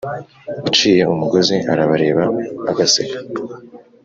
uciye umugozi arabareba agaseka